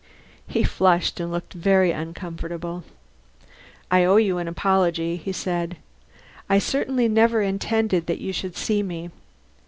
He flushed and looked very uncomfortable. "I owe you an apology," he said. "I certainly never intended that you should see me.